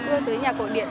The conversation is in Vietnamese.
đưa tới nhạc cổ điển